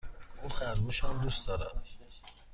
او خرگوش هم دوست دارد.